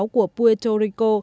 của puerto rico